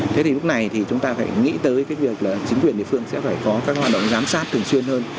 thế thì lúc này thì chúng ta phải nghĩ tới cái việc là chính quyền địa phương sẽ phải có các hoạt động giám sát thường xuyên hơn